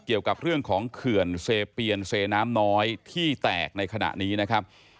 เกี่ยวกับเรื่องของเขื่อนเซเปียนเซน้ำน้อยที่แตกในขณะนี้นะครับ